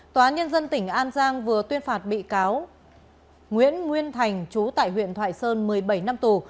tòa án nhân dân tỉnh an giang vừa tuyên phạt bị cáo nguyễn nguyên thành chú tại huyện thoại sơn một mươi bảy năm tù